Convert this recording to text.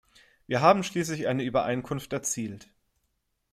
Wir haben schließlich eine Übereinkunft erzielt.